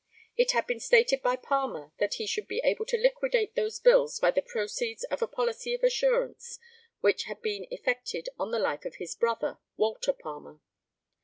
It had been stated by Palmer that he should be able to liquidate those bills by the proceeds of a policy of assurance which had been effected on the life of his brother, Walter Palmer.